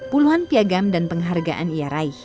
puluhan piagam dan penghargaan ia raih